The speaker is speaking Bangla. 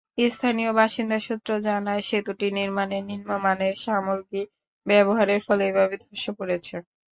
স্থানীয় বাসিন্দা সূত্র জানায়, সেতুটি নির্মাণে নিম্নমানের সামগ্রী ব্যবহারের ফলে এভাবে ধসে পড়েছে।